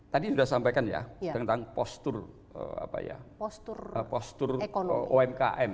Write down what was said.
tadi sudah sampaikan ya tentang postur umkm